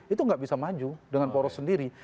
itu nggak bisa maju dengan poros sendiri